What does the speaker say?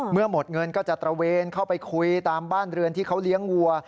เมื่อหมดเงินก็จะตระเวนเข้าไปคุยตามบ้านเรือนที่เขาเลี้ยงวัว